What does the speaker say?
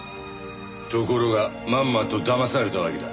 ところがまんまとだまされたわけだ。